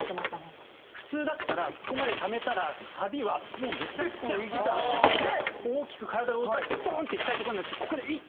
普通だったらここまでためたらサビはもうめちゃくちゃめちゃくちゃ大きく体を動かしてドーンっていきたいところなんですけどここで１個。